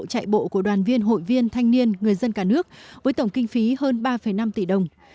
chạy bộ của đoàn viên hội viên thanh niên người dân cả nước với tổng kinh phí hơn ba năm tỷ đồng